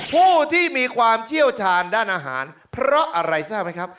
ผู้ที่มีความเชี่ยวชาญด้านอาหารเพราะอะไรทราบไหมครับ